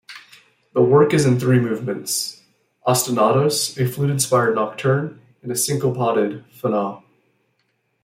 The work is in three movements: "Ostinatos," a flute-inspired "Nocturne," and a syncopated "Finale.